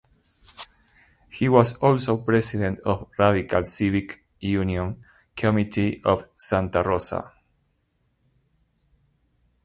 He was also president of the Radical Civic Union Committee of Santa Rosa.